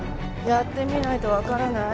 やってみないとわからない。